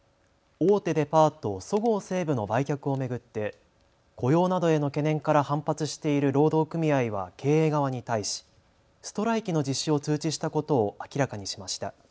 大手デパート、そごう・西武の売却を巡って雇用などへの懸念から反発している労働組合は経営側に対しストライキの実施を通知したことを明らかにしました。